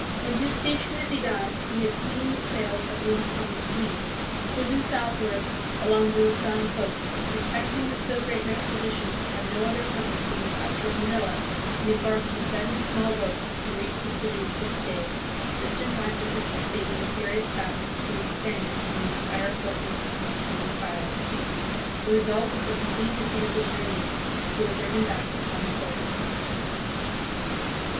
From his station at Bigan he had seen the sails of Limahong's fleet, cruising southward along the Luzon coast, and, suspecting that so great an expedition could have no other purpose than the capture of Manila, he embarked in seven small boats, and reached the city in six days, just in time to participate in the furious battle between the Spaniards and the entire forces of the Chinese pirate. The result was the complete defeat of the Chinese, who were driven back upon their boats.